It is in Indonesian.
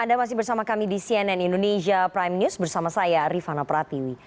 anda masih bersama kami di cnn indonesia prime news bersama saya rifana pratiwi